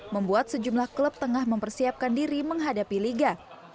membuat sejumlah klub tengah mempersiapkan diri menghadapi liga